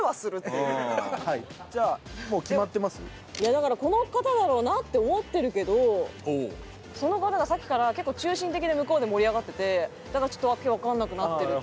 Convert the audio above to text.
だからこの方だろうなって思ってるけどその方がさっきから結構中心的に向こうで盛り上がっててだから訳わかんなくなってるっていうのがありますね。